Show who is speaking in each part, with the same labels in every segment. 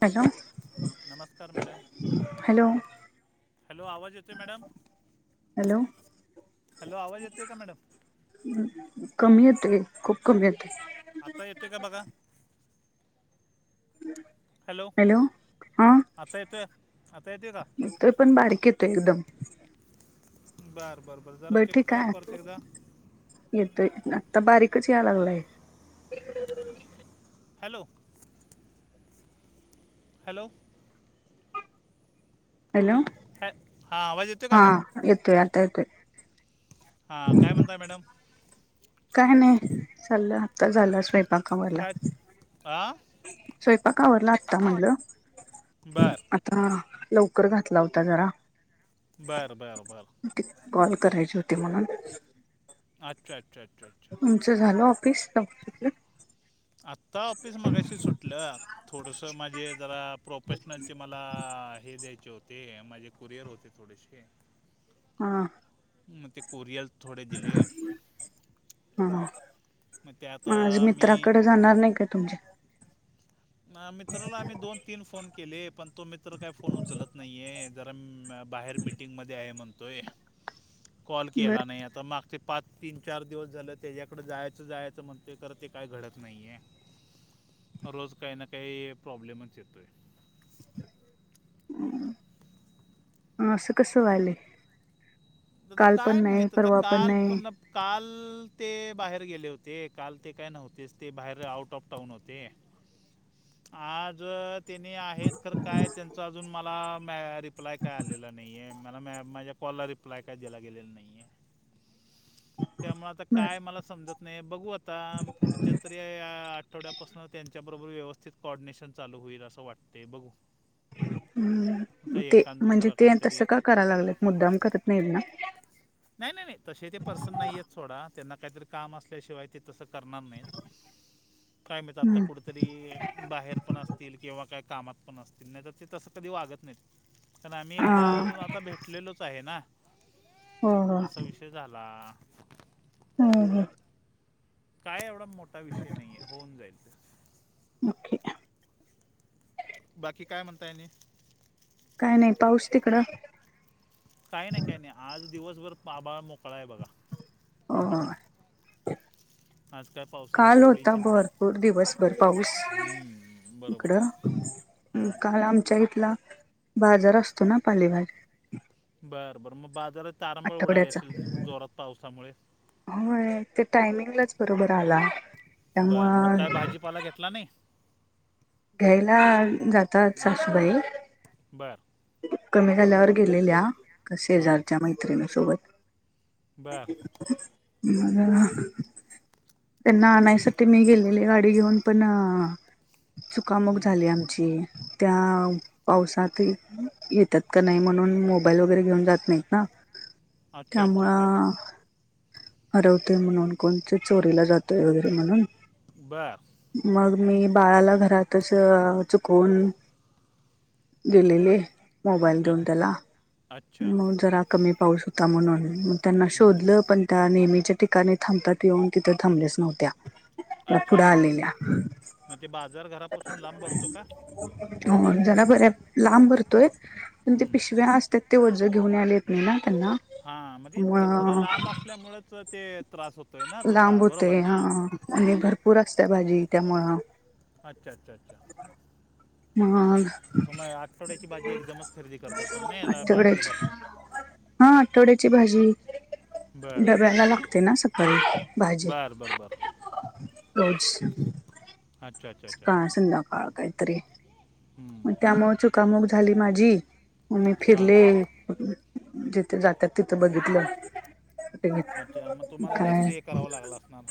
Speaker 1: Hello,
Speaker 2: नमस्कार madam!
Speaker 1: Hello
Speaker 2: hello, आवाज येतोय मॅडम?
Speaker 1: हॅलो
Speaker 2: हॅलो, आवाज येतोय का मॅडम?
Speaker 1: कमी येतोय. खूप कमी येतोय.
Speaker 2: आता येतोय का बघा. हॅलो,
Speaker 1: हा
Speaker 2: आता येतोय आता येतोय का?
Speaker 1: येतोय पण बारीक येतोय एकदम.
Speaker 2: बर बर. जरा
Speaker 1: बर
Speaker 2: चेक
Speaker 1: ठीक
Speaker 2: करा परत
Speaker 1: आहे,
Speaker 2: एकदा
Speaker 1: येतोय. आता बारीकच या लागलाय.
Speaker 2: हॅलो, हॅलो,
Speaker 1: हॅलो,
Speaker 2: [unintelligible] हा आवाज येतोय का
Speaker 1: हा
Speaker 2: आता?
Speaker 1: येतोय आता येतोय.
Speaker 2: हा, काय म्हणताय मॅडम?
Speaker 1: काय नाही. चाललं आत्ता झालं स्वयंपाक आवरला.
Speaker 2: काय हां
Speaker 1: स्वयंपाक आवरला आत्ता म्हटलं.
Speaker 2: बर
Speaker 1: ता लवकर घातला होता जरा.
Speaker 2: बरं बरं बरं.
Speaker 1: ते कॉल करायचे होते म्हणून.
Speaker 2: अच्छ अच्छा अच्
Speaker 1: तुमचं झालं ऑफिस, सुटलं?
Speaker 2: आत्ता ऑफिस मागाशी सुटलं. थोडस माझे जरा प्रोफेशनलचे मला हे द्यायचे होते, माझे कुरिअर होते. थोडेसेय.
Speaker 1: हा!
Speaker 2: म ते कोरियल थोडे दिलेय.
Speaker 1: हं हं
Speaker 2: मग ते आता
Speaker 1: म आज
Speaker 2: मी
Speaker 1: मित्राकडं जाणार नाही काय तुमच्या?
Speaker 2: मित्राला आम्ही दोन तीन फोन केले पण तो मित्र काही फोन उचलत नाहीये जरा मा बाहेर मीटिंगमध्ये आहे म्हणतोय कॉल केला
Speaker 1: बर
Speaker 2: नाही आता माग ते पाच तीन, चार दिवस झालं त्याच्याकडं जायचं-जायचं म्हणततोय खर ते काय घडत नाहीये. रोज काही ना काही प्रॉब्लेमच येतोय.
Speaker 1: असं कसं व्हायलय.
Speaker 2: आता
Speaker 1: काल
Speaker 2: काय
Speaker 1: पण नाही
Speaker 2: माहित आता
Speaker 1: परवा
Speaker 2: काल
Speaker 1: नाही
Speaker 2: पण काल ते बाहेर गेले होते, काल ते काय नव्हतेच ते बाहेर आउट ऑफ टाऊन होते. आज त्यांनी आहेत खर काय त्यांच अजून माला माला मा रिप्लाय काय आलेला नाहीये, मला मा माझ्या कॉल ला रिप्लाय काय दिला गेलेला नाहीये. त्यामुळ आता काय
Speaker 1: बस
Speaker 2: मला समजत नाहीय बघू आता पुढच्या तरी आठवड्यापासन त्यांच्याबरोबर व्यवस्थित कॉर्डनेशन चालू होईल असं वाटतय बघू? आता
Speaker 1: हूं ते
Speaker 2: एकान
Speaker 1: म्हणजे
Speaker 2: दुसरा
Speaker 1: ते
Speaker 2: काहीतरी
Speaker 1: तसं का करायला लागलेत मुद्दाम करत नाही ना!
Speaker 2: नाही नाही नाही तसे ते पर्सन नाहीयेत सोडा त्यांना काहीतरी काम असल्याशिवाय ते तसं करणार नाहीत. काय माहित आता
Speaker 1: हम्म
Speaker 2: कुठंतरी बाहेर पण असतील किंवा काय कामात पण असतील नाही तर ते तसं कधी वागत नाहीत, कारण आम्ही
Speaker 1: हा
Speaker 2: एकदा आता भेटलेलोच आहे ना.
Speaker 1: हो हो
Speaker 2: आसा विषय झाला.
Speaker 1: हूं हूं!
Speaker 2: काय एवढा मोटा विषय नाहीये होऊन जाईल ते
Speaker 1: ओके.
Speaker 2: बाकी काय म्हणतायनी.
Speaker 1: काय नाही पाऊस तिकडं?
Speaker 2: काही नाही, काही नाही आज दिवसभर पाबाळ मोकळा आहे बघा.
Speaker 1: अ
Speaker 2: पूर्णपणे. आज काय पावसाची
Speaker 1: काल
Speaker 2: कुठलीही
Speaker 1: होता
Speaker 2: चिन्ह
Speaker 1: भरपूर दिवसभर पाऊस
Speaker 2: हम्म, बरोबर
Speaker 1: इकडं. ऊं
Speaker 2: हां
Speaker 1: काल आमच्या इथला बाजार असतो ना पालेभाज्या.
Speaker 2: बर बर मग बाजारात तारांबळ उडाली
Speaker 1: आठवड्याचा
Speaker 2: असेल जोरात पावसामुळे.
Speaker 1: होय ते टायमिंगलाच बरोबर आला.
Speaker 2: बरं मग
Speaker 1: त्यामुळं
Speaker 2: काय भाजीपाला घेतला नाही?
Speaker 1: घ्यायला जातात सासूबाई.
Speaker 2: बर!
Speaker 1: कमी झाल्यावर गेलेल्या
Speaker 2: हां
Speaker 1: शेजारच्या मैत्रिणीसोबत.
Speaker 2: बर
Speaker 1: [inaudible] त्यांना आणायसाठी मी गेलेले गाडी घेऊन पण अ. चुकामुक
Speaker 2: हम्म,
Speaker 1: झाली आमची त्या पावसाती येतात का नाही म्हणून मोबाईल वगैरे घेऊन जात नाहीत ना.
Speaker 2: अच्छा अच्छा
Speaker 1: त्यामुळं. हरवतोय म्हणून, कोणतर चोरीला जातोय वगैरे म्हणून.
Speaker 2: बर!
Speaker 1: मग मी बाळाला घरातच चुकवून. गेलेले. मोबाईल देऊन
Speaker 2: अच-
Speaker 1: त्याला,
Speaker 2: अच्छा
Speaker 1: मग जरा कमी पाऊस होता म्हणून, त्यांना
Speaker 2: हम्म,
Speaker 1: शोधलं, पण त्या नेहमीच्या ठिकाणी थांबतात येऊन तिथं थांबल्याच नव्हत्या. मग
Speaker 2: अच्छा
Speaker 1: फुडं
Speaker 2: अच्छा अच्छा
Speaker 1: आलेल्या.
Speaker 2: मग ते बाजार घरापासून लांब भरतो का
Speaker 1: हो जरा बऱ्या लांब भर्- तोय पण ते
Speaker 2: हम्म,
Speaker 1: पिशव्या असत्यात ते ओझं घेऊन यायला येत नाय ना त्यांना
Speaker 2: हा मग तेच की थोडं
Speaker 1: त्यामुळं
Speaker 2: लांब असल्यामूळच ते त्रास होत.
Speaker 1: लांब होतंय हा आणि भरपूर असत्या भाजी त्यामुळं,
Speaker 2: अच्छा! अच्छा! अच्छा!
Speaker 1: मग
Speaker 2: हो, मग आठवड्याची भाजी एकदमच खरेदी करत असाल नाही याला बाजार
Speaker 1: आजच्याकडेच
Speaker 2: भर
Speaker 1: [unintelligible] हा आठवड्याची भाजी.
Speaker 2: बर
Speaker 1: डब्याला लागते ना सकाळी भाजी.
Speaker 2: बर बर बर
Speaker 1: रोज
Speaker 2: अच्छा अच्छा अच्छा
Speaker 1: सकाळ संध्याकाळ कायतरी.
Speaker 2: हम्
Speaker 1: मग त्यामुळं चुकामुक झाली माझी मग मी
Speaker 2: हा
Speaker 1: फिरले. जिथं जात्यात तिथं बघितलं.
Speaker 2: अच्छा मग तुम्हाला जास्त
Speaker 1: काय
Speaker 2: हे करावं लागलं असणार.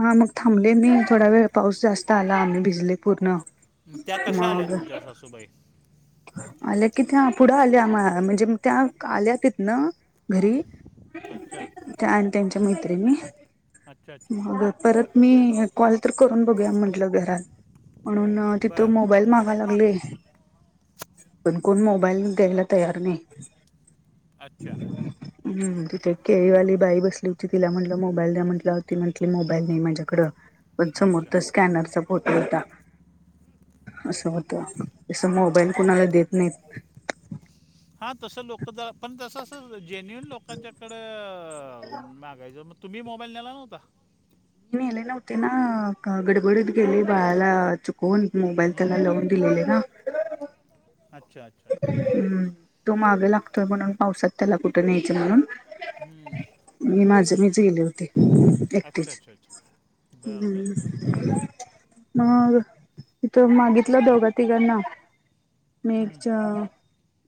Speaker 1: हा मग थांबले मी थोडा वेळ, पाऊस जास्त आला मी भिजले पूर्ण.
Speaker 2: त्या कशा आल्या
Speaker 1: मग
Speaker 2: तुमच्या सासूबाई?
Speaker 1: आल्या कि त्या फुढं आल्या म् म्हणजे त्या आल्या तिथंन. घरी
Speaker 2: अच्छा
Speaker 1: त्या आणि त्यांच्या मैत्रिणी
Speaker 2: अच्छा अच्छा
Speaker 1: मग, परत मी कॉल तर करून बघूया म्हण- ल घरात म्हणून तिथं
Speaker 2: बर तो
Speaker 1: मोबाईल मागाय
Speaker 2: माग
Speaker 1: लागलोय. पण कोण मोबाईल द्यायला तयार नाही.
Speaker 2: अच्छा
Speaker 1: हम्म तिथे केळीवाली बाई बसली होती, तिला म्हणलं मोबाईल द्या म्हंटल्याव ती म्हंटली मोबाईल नाय माझ्याकडं. पण समोर
Speaker 2: अच्छा
Speaker 1: तर स्कॅनरचा फोटो होता असं होतं तसं मो-
Speaker 2: तो
Speaker 1: कुणाला
Speaker 2: मोबाईल
Speaker 1: देत नाहीत.
Speaker 2: हा तसं लोकं जरा पण जसं असं जेन्युन लोकांच्याकडं मागायचं म- तुम्ही मोबाईल न्हेला नव्हता.
Speaker 1: न्हेला नव्हते ना गडबडीत गेले बळाला चुक- कोण मोबाईल त्याला
Speaker 2: हम्म.
Speaker 1: लाऊन दिलेले ना.
Speaker 2: अच्छा! अच्छा! अच्छा!
Speaker 1: हम्म तो मागं लागतोय म्हणून पावसात त्याला कुठं न्यायच म्हणून.
Speaker 2: हम्म.
Speaker 1: मी माझं मीच गेले होते एकटी.
Speaker 2: अच्छा अच्छा अच्छा बर बर बर बर
Speaker 1: हम्म मग तथ मागितला दोघं तिघां ना मी
Speaker 2: हम्म.
Speaker 1: अ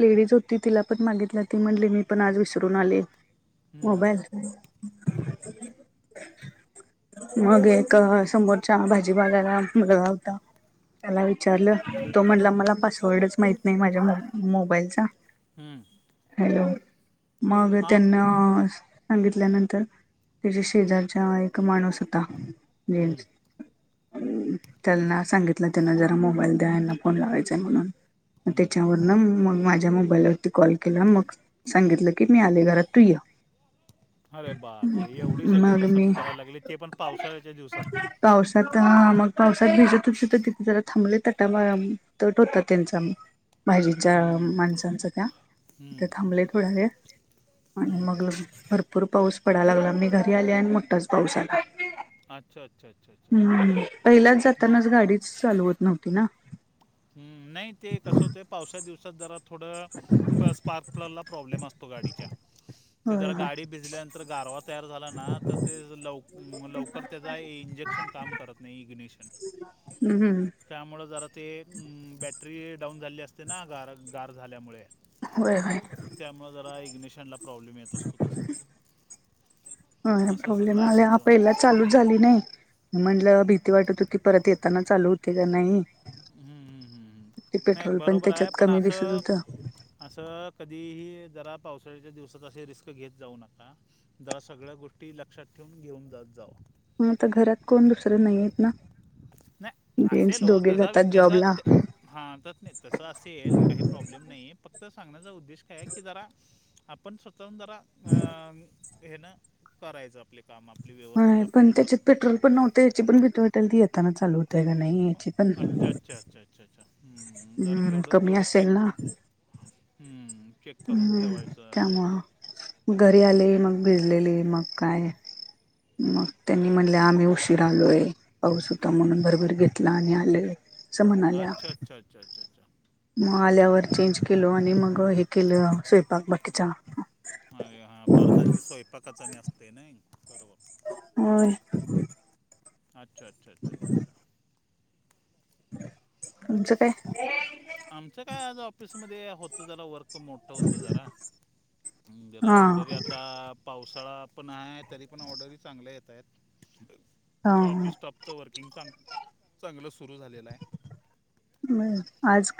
Speaker 1: लेडीज होती तिला पण मागितली ती म्हणली मी पण आज विसरून आले.
Speaker 2: हम्म.
Speaker 1: मोबाईल मग एक समोरचा भाजीवाल्याला बा मुलगा होता. त्याला विचारलं, तो म्हणला
Speaker 2: हम्म.
Speaker 1: मला पासवर्डच माहत नाही माझ्या मोबाईलचा
Speaker 2: हम्म.
Speaker 1: हॅलो मग
Speaker 2: हा
Speaker 1: त्यांना- अ सांगितल्यानंतर त्याच्या शेजारचा एक माणूस होता. जन
Speaker 2: हम्म.
Speaker 1: [inaudible] त्यांना सांगितलं त्यांना जरा मोबाईल द्याना फोन लागायचाय म्हणून,
Speaker 2: हम्म.
Speaker 1: त्याच्यावरन मग माझ्या मोबाईलवरती कॉल केला, मग सांगितलं की मी आले घरात तू यं.
Speaker 2: अरे बाप रे! एवढी सगळी
Speaker 1: मग मी
Speaker 2: कसरत करायला लागली, ते पण पावसाळ्याच्या दिवसात.
Speaker 1: पावसात का, मग पावसात भीजत इथं-तिथे जरा थांबले तर त्यामुळे द्या पत्ता त्यांचा बाजूच्या
Speaker 2: हम्म.
Speaker 1: माणसांचा का? इथं
Speaker 2: हम्म.
Speaker 1: थांबलेत व्हय हे,
Speaker 2: हम्म.
Speaker 1: मग लगेच भरपूर पाऊस पडायला लागला, मी घरी आली आणि मोठाच पाऊस आला.
Speaker 2: अच्छा अच्छा अच्छा अच्छा अच्छा
Speaker 1: हम्म. पहिलाच
Speaker 2: ना-
Speaker 1: जातानाच गाडीच चालू होत नव्हती ना.
Speaker 2: हम्म, नाही ते कसं होते पावसात दिवसात जरा थोडं, स्पर्क स्पार्कलला प्रॉब्लेम असतो गाडीच्या. ते
Speaker 1: होय
Speaker 2: जरा
Speaker 1: होय
Speaker 2: गाडी भिजल्यानंतर गारवा तयार झाला ना, तर ते लवकर त्याचा इंजिन क्षण काम करत नाही, इंग्नेशन
Speaker 1: ह्म ह्म.
Speaker 2: त्यामुळं जरा ते बॅटरी डाऊन झाली असते ना, गार - गार झाल्यामुळे.
Speaker 1: व्हय व्हय.
Speaker 2: त्यामुळं जरा इग्नेशनला प्रॉब्लेम येत असतो तसा.
Speaker 1: हा
Speaker 2: असं सगळं
Speaker 1: प्रॉब्लेम आल्या
Speaker 2: असतं
Speaker 1: पहिल्यात चालूच झाली नाही. म्हंटलं भीती वाटत होती, परत येतांना चालू होते का नाही.
Speaker 2: हम्म, हम्म, हम्म, हम्म.
Speaker 1: ते
Speaker 2: नाही
Speaker 1: पेट्रोल पण
Speaker 2: बरोबर
Speaker 1: त्याच्यात
Speaker 2: आहे पण
Speaker 1: कमी दिसत
Speaker 2: असं
Speaker 1: होत.
Speaker 2: असं कधीही जरा पावसाळ्याच्या दिवसात असे रिस्क घेत जाऊ नका. जरा सगळ्या गोष्टी लक्षात ठेवून घेऊन जात जावा.
Speaker 1: मग आता घरात कोण दुसरं नाहीहेत ना,
Speaker 2: नाही
Speaker 1: जेंट्स
Speaker 2: असेल हो
Speaker 1: दोघे
Speaker 2: तसा
Speaker 1: जातात.
Speaker 2: त्याचा
Speaker 1: जॉबला.
Speaker 2: हां, तसं असेल काही प्रॉब्लेम नाहीये फक्त सांगण्याचा उद्देश काय की जरा आपण स्वतःहून जरा घेणं करायचं आपली काम आपले व्यवस्थित
Speaker 1: होय
Speaker 2: आपले
Speaker 1: पण
Speaker 2: जसं
Speaker 1: त्याच्यात पेट्रोल पण नव्हते [unintelligible] पण येतांना चालवत. का नाही
Speaker 2: हं,
Speaker 1: याची पण,
Speaker 2: अच्छा अच्छा अच्छा अच्छा अच्छा जरा
Speaker 1: हम्म कमी असेल ना.
Speaker 2: हम्म.
Speaker 1: हम्म. त्यामुळं घरी आले, मग भिजलेली मग काय. मग त्यांनी म्हणले, आम्ही उशीरा आलोय. पाऊस होता म्हणून भरभर घेतला आणि आले व्हय.
Speaker 2: अच्छा! च्छा-च्छा-च्छा-च्छ.
Speaker 1: मग आल्यावर चेंज केलं आणि मग हे केलं स्वयंपाक बाकीचा.
Speaker 2: अरे हा! परत आणखी स्वयंपाकाचा नय असते ना बरोबर.
Speaker 1: होय.
Speaker 2: अच्छा अच्छा अच्छा च्छा.
Speaker 1: तुमचं काय?
Speaker 2: आमचं काय आज ऑफिसमध्ये होतं जरा वर्क मोड. होतो जरा. मग जरा
Speaker 1: हा
Speaker 2: ऑर्डरी आता पावसाळा पण हाय, तरी पण ऑर्डरी चांगल्या येत
Speaker 1: हा
Speaker 2: आहेत. ऑफिस स्टाफचं वर्किंग चांग-चांगलं सुरू झालेलं हाय.
Speaker 1: आज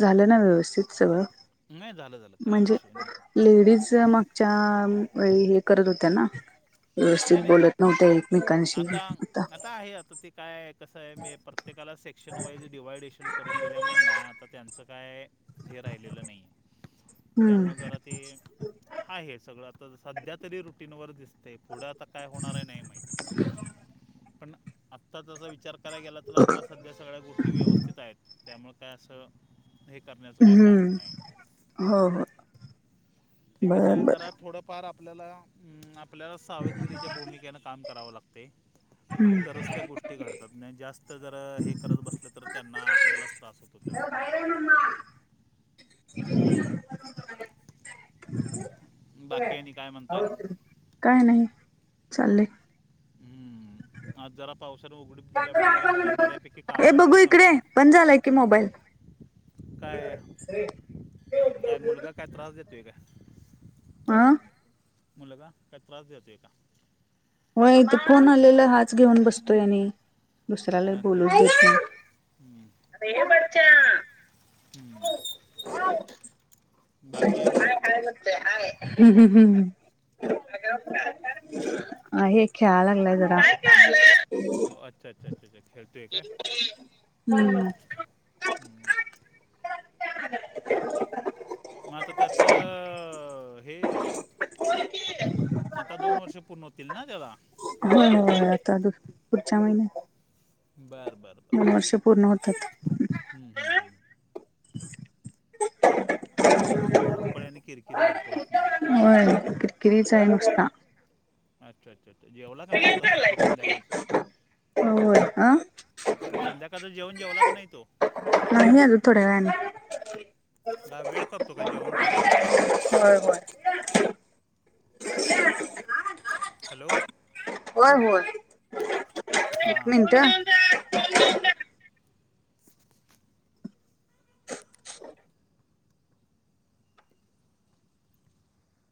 Speaker 1: झालं ना व्यवस्थित सगळं?
Speaker 2: नाय, झालं-झालं काय
Speaker 1: म्हणजे
Speaker 2: विषय नाय.
Speaker 1: लेडीज च्या मगच्या [inaudible] करत होत्या ना, व्यवस्थित
Speaker 2: नाही नाही
Speaker 1: बोलत नव्हत्या एकमेकांशी, आता
Speaker 2: काय आहे आता ती काय कसं आहे मी प्रत्येकाला सेक्शन वाईज डिवायडेशन करून दिल्यामुळ ना आता त्यांचं काय? हे राहिलेलं नाही त्यामुळं
Speaker 1: हम्म
Speaker 2: जरा ते हा हे सगळं आता सध्या तरी रुटीनवर दिसत ते पुढं आता काय होणार आहे नाही माहित पण आत्ताचा जर विचार करायला गेला तर आत्ता सध्या सगळ्या गोष्टी व्यवस्थित आहेत, त्त्यामुळं काय असं हे करण्याचं काही कारण
Speaker 1: हम्म,
Speaker 2: नाही
Speaker 1: हो हो!
Speaker 2: ते कसं
Speaker 1: बर
Speaker 2: आहे
Speaker 1: बर
Speaker 2: जरा थोडंफार आपल्याला हम आपल्याला सावधगिरीच्या भूमिकेने काम करावं लागतय
Speaker 1: हम्म
Speaker 2: तरच त्या गोष्टी ते घडतात नाही जास्त जर हे करत बसलं तर त्यांना आपल्यालाच त्रास होतो तेचा. बाकी आणि काय म्हणताय?
Speaker 1: काय नाइ चाललय.
Speaker 2: हम्म, आज जरा पावसानं उघडी दिल्यामुळे जरा बऱ्या बऱ्यापैकी
Speaker 1: ए
Speaker 2: कामं
Speaker 1: बघू
Speaker 2: आमची
Speaker 1: इकडे
Speaker 2: संपली.
Speaker 1: बंद झालाय की मोबाईल
Speaker 2: काय? काय मुलगा काय त्रास देतोय काय?
Speaker 1: आ?
Speaker 2: मुलगा काय त्रास देतोय का?
Speaker 1: होय, इथं फोन आलेला हाच घेऊन बसतोय आणि दुसऱ्याला
Speaker 2: अच्छा
Speaker 1: बोलूच
Speaker 2: अच्छा
Speaker 1: देत
Speaker 2: अच्छा
Speaker 1: नाही.
Speaker 2: अच्छा हम्म, हम्म! बाकी आणि?
Speaker 1: [inaudible] आहे खेळाय लगलाय जरा.
Speaker 2: हो, अच्छा अच्छा अच्छा अच्छा खेळतोय काय?
Speaker 1: हम्म!
Speaker 2: हम्म. मग आता त्याचं हे
Speaker 1: [inaudible]
Speaker 2: आता दोन वर्ष पूर्ण होतील ना त्याला?
Speaker 1: होय होय, आता पुढच्या महिन्यात.
Speaker 2: बर बर बर
Speaker 1: दोन
Speaker 2: बर
Speaker 1: वर्ष
Speaker 2: बर ब,
Speaker 1: पूर्ण होतात.
Speaker 2: हम्म, हम्म, हम्म!
Speaker 1: [inaudible]
Speaker 2: धावपळी आणि किरकिरी भरपूर असणार आहे.
Speaker 1: होय [inaudible] आहे नुसता.
Speaker 2: अच्छा अच्छा अच्छा, जेवला का नाही आता सकाळ, संध्याकाळचं?
Speaker 1: होय अ
Speaker 2: संध्याकाळ जेवण जेवला का नाय तो?
Speaker 1: नाही अजून थोड्या वेळानी.
Speaker 2: जरा वेळ करतो का जेवण करायला?
Speaker 1: होय होय. [inaudible]
Speaker 2: हॅलो!
Speaker 1: होय होय.
Speaker 2: हा
Speaker 1: एक
Speaker 2: हा हां!
Speaker 1: मिनिट.